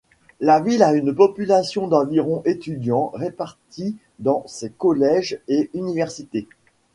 La ville a une population d'environ étudiants répartis dans ses collèges et universités.